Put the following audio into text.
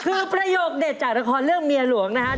คือประโยคเด็ดจากละครเรื่องเมียหลวงนะครับ